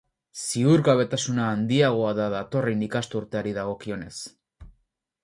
Ziurgabetasuna handiagoa da datorren ikasturteari dagokionez.